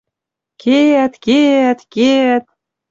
Кеӓт, кеӓт, кеӓт